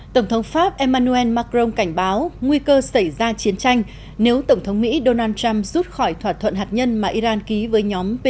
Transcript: tổng thống pháp emmanuel macron cảnh báo nguy cơ xảy ra chiến tranh nếu tổng thống mỹ donald trump rút khỏi thỏa thuận hạt nhân mà iran ký với nhóm p